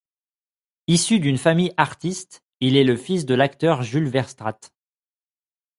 Issue d'une famille artistes, il est le fils de l'acteur Jules Verstraete.